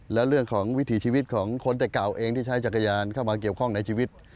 แล้วเรื่องของวิถีชีวิตของคนแต่เก่าเองที่ใช้จักรยานเข้ามาเกี่ยวข้องในชีวิต